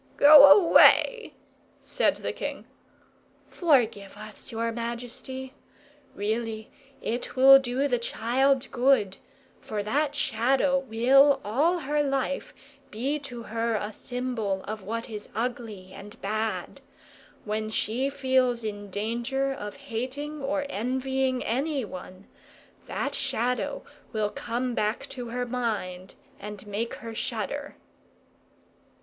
"Go away," said the king. "Forgive us, your majesty. Really, it will do the child good; for that Shadow will, all her life, be to her a symbol of what is ugly and bad. When she feels in danger of hating or envying anyone, that Shadow will come back to her mind and make her shudder."